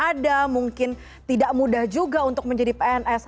ada mungkin tidak mudah juga untuk menjadi pns